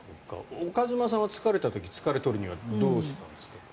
岡島さんは疲れた時疲れを取るにはどうしていたんですか？